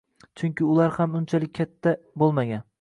Chunki ular ham unchalik katta bo'lmagan